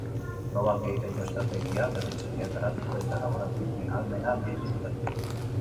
Probak egiteko estrategia berritzailea garatu, eta laborategien ahalmena handitu zuten.